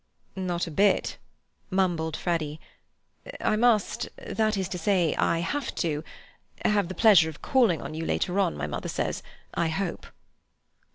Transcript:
"Not a bit!" mumbled Freddy. "I must—that is to say, I have to—have the pleasure of calling on you later on, my mother says, I hope."